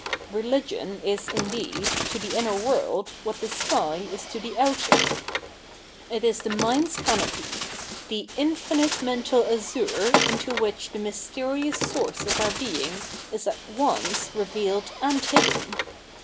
Religion is, indeed, to the inner world what the sky is to the outer. It is the mind's canopy — the infinite mental azure in which the mysterious source of our being is at once revealed and hidden.